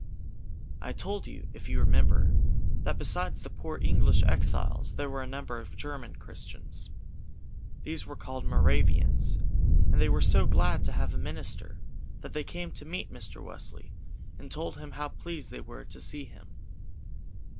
I told you, if you remember, that besides the poor English exiles there were a number of German Christians. These were called Moravians, and they were so glad to have a minister that they came to meet Mr. Wesley, and told him how pleased they were to see him.